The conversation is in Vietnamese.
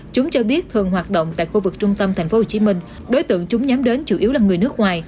chúng cho biết thường hoạt động tại khu vực trung tâm tp hcm đối tượng chúng nhắm đến chủ yếu là người nước ngoài